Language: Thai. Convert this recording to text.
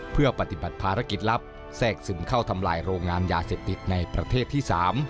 เพื่อปฏิบัติภารกิจลับแทรกซึมเข้าทำลายโรงงานยาเสพติดในประเทศที่๓